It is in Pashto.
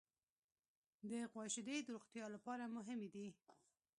د غوا شیدې د روغتیا لپاره مهمې دي.